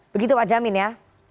begitu pak jamin ya